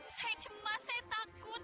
saya cemas saya takut